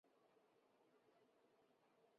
次年九月又被命为大学士。